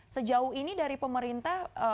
sejauh ini dari pemerintah